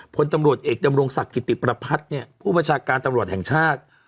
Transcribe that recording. พลตำรวจเอกดำรงศักดิ์กิติประพัฒน์เนี่ยผู้บัญชาการตำรวจแห่งชาติ